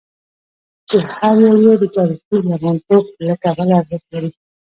چې هر یو یې د تاریخي لرغونتوب له کبله ارزښت لري.